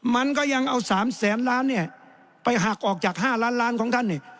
มันก็ยังเอา๓แสนล้านเนี่ยไปหักออกจาก๕ล้านล้านของท่านนี่